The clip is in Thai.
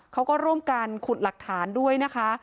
เขาก็ร่วมกันขุดหลักฐานด้วยนะคะ